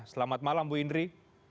selamat malam ibu indri